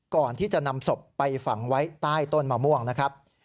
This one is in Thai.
ก่อนที่จะนำศพไปฝังไว้ใต้ต้นมะม่วงนะครับ